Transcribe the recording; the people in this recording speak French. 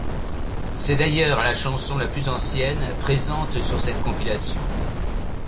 C'est d'ailleurs la chanson la plus ancienne présente sur cette compilation.